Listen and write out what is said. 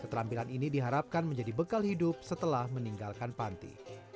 keterampilan ini diharapkan menjadi bekal hidup setelah meninggalkan panti